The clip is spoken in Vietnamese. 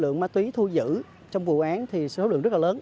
lượng ma túy thu giữ trong vụ án thì số lượng rất là lớn